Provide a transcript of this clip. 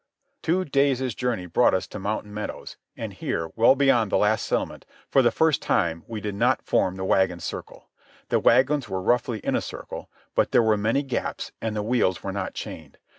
Two days' journey brought us to Mountain Meadows, and here, well beyond the last settlement, for the first time we did not form the wagon circle. The wagons were roughly in a circle, but there were many gaps, and the wheels were not chained.